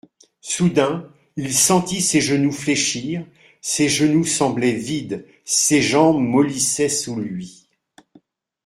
Soudain, il sentit ses genoux fléchir : ses genoux semblaient vides, ses jambes mollissaient sous lui.